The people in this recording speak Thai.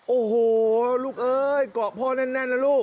โอ้โหลูกเอ้ยเกาะพ่อแน่นนะลูก